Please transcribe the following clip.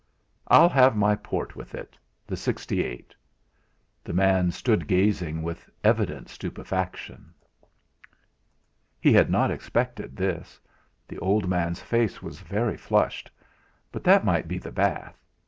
"I'll have my port with it the 'sixty eight." The man stood gazing with evident stupefaction. He had not expected this. The old man's face was very flushed, but that might be the bath.